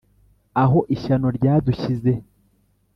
aho ishyano ryadushyize